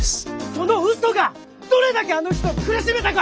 そのうそがどれだけあの人を苦しめたか！